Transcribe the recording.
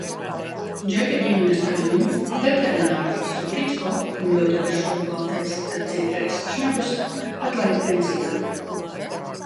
Džeka ģimenes kaimiņu, veterinārstu Gricko, kam ļoti garšoja Baltais dzidrais šnabis, atlaida pensijā.